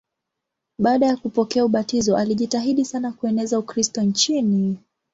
Baada ya kupokea ubatizo alijitahidi sana kueneza Ukristo nchini.